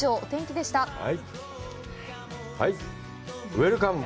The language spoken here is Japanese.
ウエルカム。